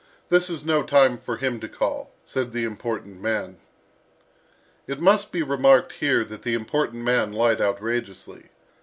This is no time for him to call," said the important man. It must be remarked here that the important man lied outrageously.